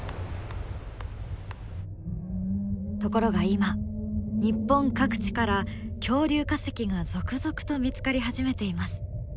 ところが今日本各地から恐竜化石が続々と見つかり始めています。